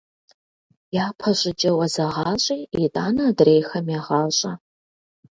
Япэ щӏыкӏэ уэ зэгъащӏи итӏанэ адрейхэм егъащӏэ.